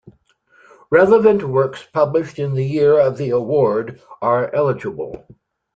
Relevant works published in the year of the award are eligible.